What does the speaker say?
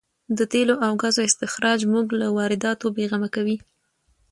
د تېلو او ګازو استخراج موږ له وارداتو بې غمه کوي.